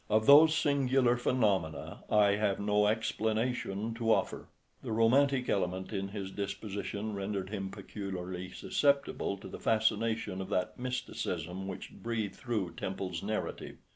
Of those singular phenomena I have no explanation to offer. The romantic element in his disposition rendered him peculiarly susceptible to the fascination of that mysticism which breathed through Temple's narrative.